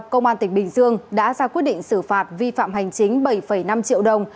công an tỉnh bình dương đã ra quyết định xử phạt vi phạm hành chính bảy năm triệu đồng